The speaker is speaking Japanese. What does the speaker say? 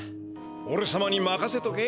おれさまにまかせとけ。